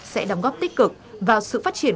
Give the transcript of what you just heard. sẽ đóng góp tích cực vào sự phát triển